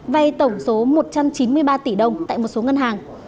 vay tổng số một trăm chín mươi ba tỷ đồng tại một số ngân hàng